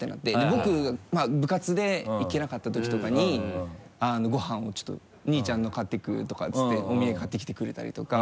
僕部活で行けなかったときとかにご飯をちょっと「兄ちゃんの買っていく」とかって言ってお土産買ってきてくれたりとか。